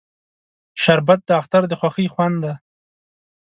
شربت د اختر د خوښۍ خوند دی